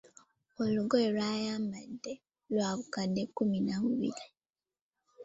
Olugoye lw'ayambadde lwabukadde kkumi na bubiri.